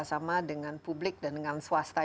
sama dengan publik dan dengan swasta